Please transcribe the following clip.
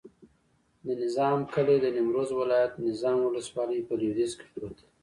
د نظام کلی د نیمروز ولایت، نظام ولسوالي په لویدیځ کې پروت دی.